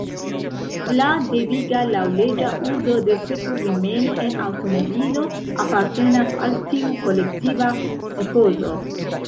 La deviga, laŭleĝa uzo de sekur-rimeno en aŭtomobilo apartenas al tiu kolektiva psikozo.